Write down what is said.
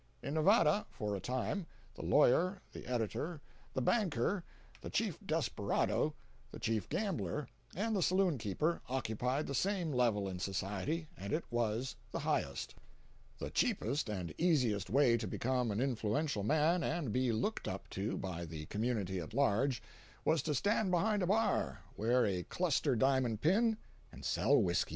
In Nevada, for a time, the lawyer, the editor, the banker, the chief desperado, the chief gambler, and the saloon keeper, occupied the same level in society, and it was the highest. The cheapest and easiest way to become an influential man and be looked up to by the community at large, was to stand behind a bar, wear a cluster diamond pin, and sell whisky.